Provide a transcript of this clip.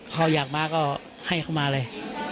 เขาอยากมาก็ให้เขามาเลย